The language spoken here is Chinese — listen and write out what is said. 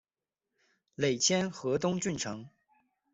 累迁河东郡丞。